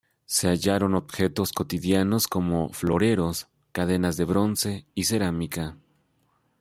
Se hallaron objetos cotidianos como floreros, cadenas de bronce y cerámica.